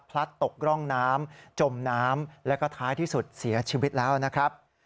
ตกร่องน้ำจมน้ำแล้วก็ท้ายที่สุดเสียชีวิตแล้วนะครับ